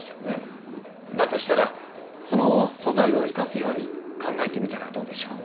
だとしたらその素材を生かすように考えてみたらどうでしょう？